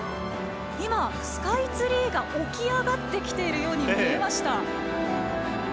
スカイツリーが起き上がっているように見えました。